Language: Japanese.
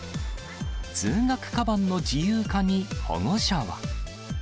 通学かばんの自由化に保護者は。